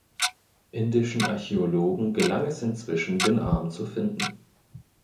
Indischen Archäologen gelang es inzwischen, den Arm zu finden.